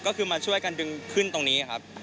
ก็คือมาช่วยกันดึงขึ้นตรงนี้ครับ